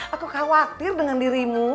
aku khawatir dengan dirimu